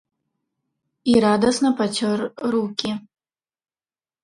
І радасна пацёр рукі.